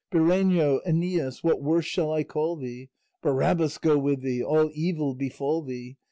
Bireno, Æneas, what worse shall I call thee? Barabbas go with thee! All evil befall thee!